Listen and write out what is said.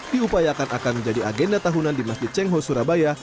diupayakan akan menjadi agenda tahunan di masjid cengho surabaya